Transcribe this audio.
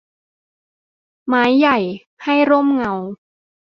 ไม้ใหญ่ให้ร่มเงา